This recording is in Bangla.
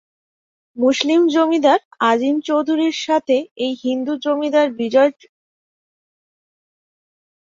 মুসলিম জমিদার আজিম চৌধুরীর সাথে এই হিন্দু জমিদার বিজয় গোবিন্দ চৌধুরীর বেশ ভালো সম্পর্ক ছিল।